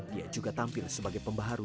dia juga tampil sebagai pembaharu